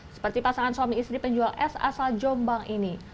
seperti pasangan suami istri penjual es asal jombang ini